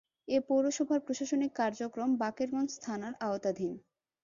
এ পৌরসভার প্রশাসনিক কার্যক্রম বাকেরগঞ্জ থানার আওতাধীন।